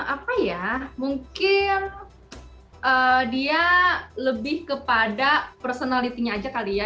apa ya mungkin dia lebih kepada personality nya aja kali ya